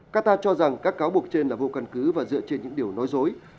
qatar cho rằng các cáo buộc trên là vô căn cứ và dựa trên những điều nói dối